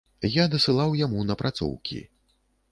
Я дасылаў яму напрацоўкі.